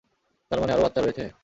তার মানে আরও বাচ্চা রয়েছে?